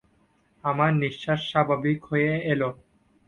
আমার নিঃশ্বাস স্বাভাবিক হয়ে এল।